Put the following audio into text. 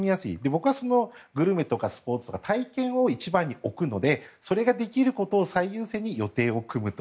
僕はグルメとかスポーツとか体験を一番に置くのでそれができることを最優先に予定を組むと。